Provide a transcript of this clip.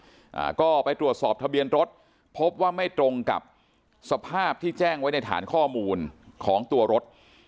อ่าก็ไปตรวจสอบทะเบียนรถพบว่าไม่ตรงกับสภาพที่แจ้งไว้ในฐานข้อมูลของตัวรถ